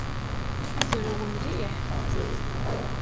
Zrew mliḥ.